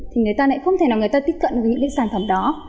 thì người ta lại không thể nào tích cận được những sản phẩm đó